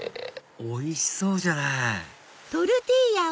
おいしそうじゃない！